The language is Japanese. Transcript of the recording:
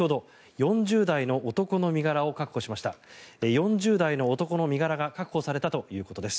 ４０代の男の身柄が確保されたということです。